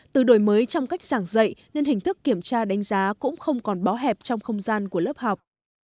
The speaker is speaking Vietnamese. từ đổi mới trong cách giảng dạy nên hình thức kiểm tra đánh giá cũng không còn bó hẹp trong không gian của lớp học